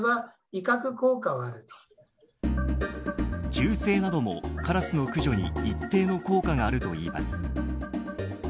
銃声なども、カラスの駆除に一定の効果があるといいます。